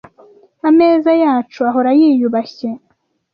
Ameza yacu ahora yiyubashye